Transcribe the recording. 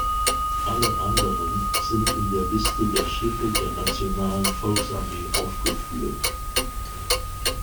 Alle anderen sind in der Liste der Schiffe der Nationalen Volksarmee aufgeführt.